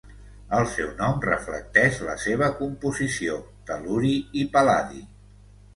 El seu nom reflecteix la seva composició: tel·luri i pal·ladi.